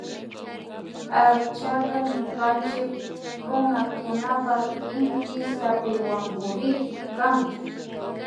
Akchaka ñukanchik runakunapan inty zapiwankurik kan